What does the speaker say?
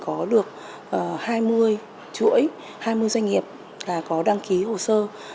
chúng tôi chỉ có được hai mươi chuỗi hai mươi doanh nghiệp là có đăng ký hồ sơ